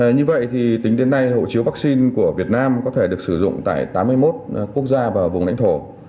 như vậy thì tính đến nay hộ chiếu vaccine của việt nam có thể được sử dụng tại tám mươi một quốc gia và vùng lãnh thổ